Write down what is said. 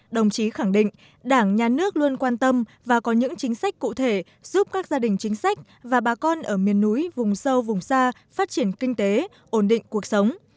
đồng chí khẳng định đảng nhà nước luôn quan tâm và có những chính sách cụ thể giúp các gia đình chính sách và bà con ở miền núi vùng sâu vùng xa phát triển kinh tế ổn định cuộc sống